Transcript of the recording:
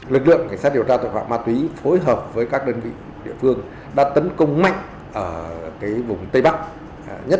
lực lượng cảnh sát điều tra tội phạm ma túy phối hợp với các đơn vị địa phương đã tấn công mạnh ở vùng tây bắc